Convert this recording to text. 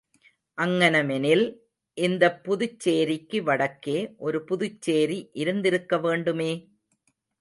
அங்ஙனமெனில், இந்தப் புதுச்சேரிக்கு வடக்கே ஒரு புதுச்சேரி இருந்திருக்கவேண்டுமே?